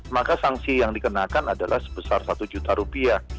maka sanksi yang dikenakan adalah sebesar satu juta rupiah